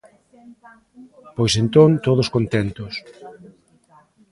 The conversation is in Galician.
Pois entón, todos contentos.